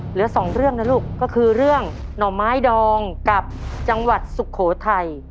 เหลือสองเรื่องนะลูกก็คือเรื่องหน่อไม้ดองกับจังหวัดสุโขทัย